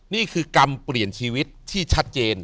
นี่คือกรรมเปลี่ยนชีวิตที่ชัดเจน